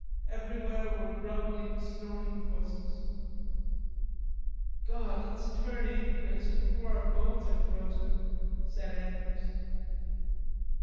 Everywhere were grumbling snorting voices. "God, let's turn in, Chris, before our bones are frozen," said Andrews.